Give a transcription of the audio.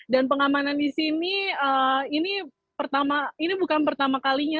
dan pengamanan di sini ini bukan pertama kalinya